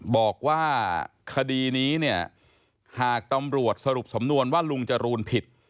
บอกว่าคดีนี้เนี่ยหากตำรวจสรุปสำนวนว่าลุงจรูนผิด